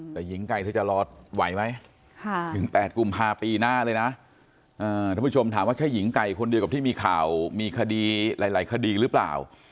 คนเดียวกับที่มีข่าวมีคดีหลายคดีหรือเปล่า